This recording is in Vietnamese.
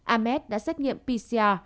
ahmed đã xét nghiệm pcr